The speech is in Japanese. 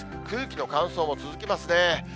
空気の乾燥も続きますね。